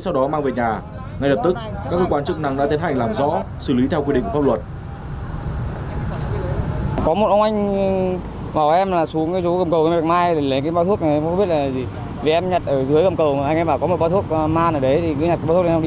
sau đó mang về nhà ngay lập tức các cơ quan chức năng đã tiến hành làm rõ xử lý theo quy định pháp luật